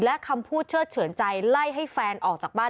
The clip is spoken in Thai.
และคำพูดเชิดเฉินใจไล่ให้แฟนออกจากบ้าน